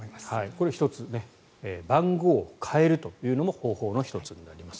これ、１つ番号を変えるというのも方法の１つになります。